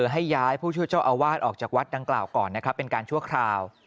ให้ย้ายผู้ช่วยเจ้าอาวาสออกจากวัดดังกล่าวก่อนนะครับเป็นการชั่วคราว